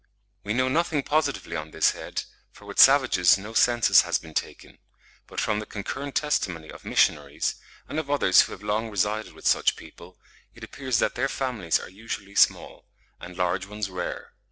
We know nothing positively on this head, for with savages no census has been taken; but from the concurrent testimony of missionaries, and of others who have long resided with such people, it appears that their families are usually small, and large ones rare.